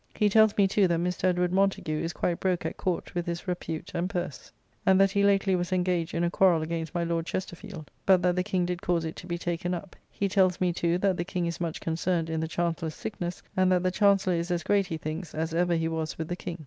He tells me too that Mr. Edward Montagu is quite broke at Court with his repute and purse; and that he lately was engaged in a quarrell against my Lord Chesterfield: but that the King did cause it to be taken up. He tells me, too, that the King is much concerned in the Chancellor's sickness, and that the Chancellor is as great, he thinks, as ever he was with the King.